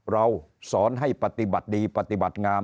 เราสอนให้ปฏิบัติดีปฏิบัติงาม